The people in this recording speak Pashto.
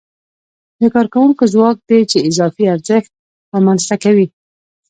د کارکوونکو ځواک دی چې اضافي ارزښت رامنځته کوي